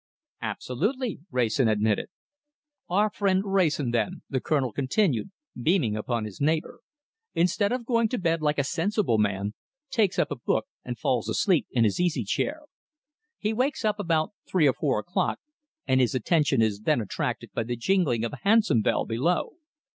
"Absolutely," Wrayson admitted. "Our friend Wrayson, then," the Colonel continued, beaming upon his neighbour, "instead of going to bed like a sensible man, takes up a book and falls asleep in his easy chair. He wakes up about three or four o'clock, and his attention is then attracted by the jingling of a hansom bell below.